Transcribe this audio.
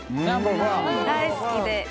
大好きで。